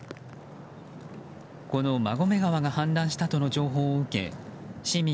この馬込川が氾濫したとの情報を受け市民